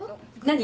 何？